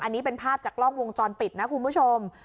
อันนี้เป็นภาพจากกล้องวงจรปิดนะคุณผู้ชม